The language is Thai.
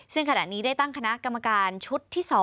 ซึ่งขณะนี้ได้ตั้งคณะกรรมการชุดที่๒